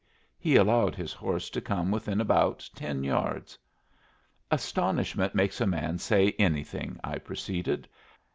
He allowed his horse to come within about ten yards. "Astonishment makes a man say anything," I proceeded.